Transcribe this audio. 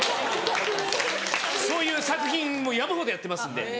そういう作品も山ほどやってますんで。